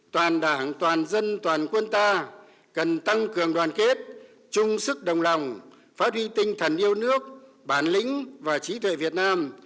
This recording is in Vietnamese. toàn đảng toàn dân toàn quân ta cần tăng cường đoàn kết chung sức đồng lòng phát huy tinh thần yêu nước bản lĩnh và trí tuệ việt nam